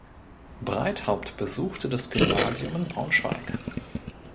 Breithaupt besuchte das Gymnasium in Braunschweig.